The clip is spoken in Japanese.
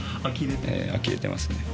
あきれてますね。